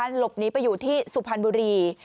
หลบหนีไปอยู่ที่สุพรรณบุรี